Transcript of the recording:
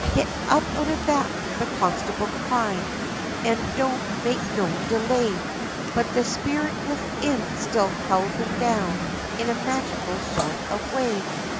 "Get up out of that," the constable cried, "And don't make no delay," But the spirit within, still held him down, In a magical sort of way.